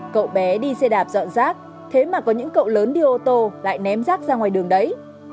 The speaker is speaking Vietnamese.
cậu bé đi xe đạp dọn rác thế mà có những cậu lớn đi ô tô lại ném rác ra ngoài đường đấy